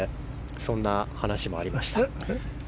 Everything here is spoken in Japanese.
そんな話もありました。